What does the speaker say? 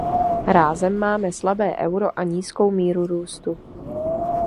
Rázem máme slabé euro a nízkou míru růstu.